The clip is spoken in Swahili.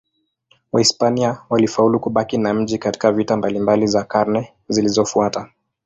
Wahispania walifaulu kubaki na mji katika vita mbalimbali za karne zilizofuata.